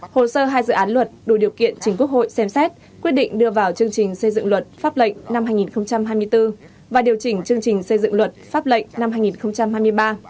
hồ sơ hai dự án luật đủ điều kiện chính quốc hội xem xét quyết định đưa vào chương trình xây dựng luật pháp lệnh năm hai nghìn hai mươi bốn và điều chỉnh chương trình xây dựng luật pháp lệnh năm hai nghìn hai mươi ba